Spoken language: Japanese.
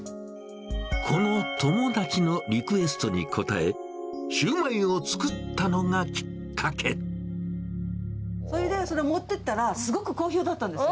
この友達のリクエストに応え、それで、それ持ってったら、すごく好評だったんですよ。